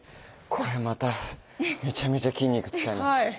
これまためちゃめちゃ筋肉使いますね。